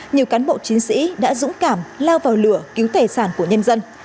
nhiều cán bộ chiến sĩ đã dũng cảm lao vào lửa cứu tài sản của nhân dân